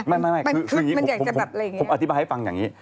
ไม่คือนี่ผมอธิบายให้ฟังอย่างงี้